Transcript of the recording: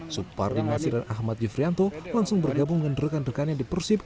supardi nasir dan ahmad yufrianto langsung bergabung dengan rekan rekannya di persib